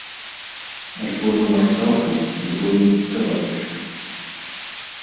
Альбо нумар цалкам, альбо нейкі кавалачак.